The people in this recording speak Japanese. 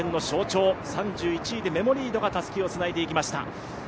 ３１位でメモリードがたすきをつないでいきました。